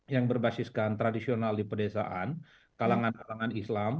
yang berbasiskan tradisional di pedesaan kalangan kalangan islam